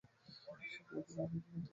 এখানে ঔষুধ-পত্রের দাম বিশ্বে সর্বনিম্ন।